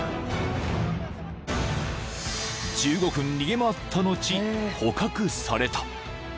［１５分逃げ回った後捕獲された］